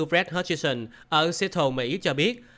brett hutchison ở seattle mỹ cho biết